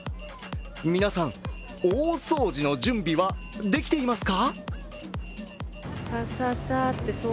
皆さん、大掃除の準備はできていますか？